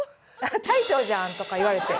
「大将じゃん」とか言われて。